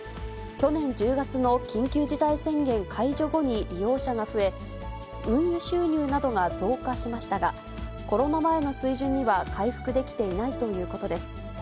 去年１０月の緊急事態宣言解除後に利用者が増え、運輸収入などが増加しましたが、コロナ前の水準には回復できていないということです。